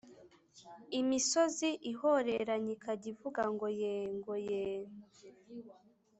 imisozi ihoreranye ikajya ivuga ngo yee ngo yee.